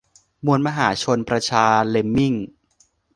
มวลมหาประชาเลมมิ่ง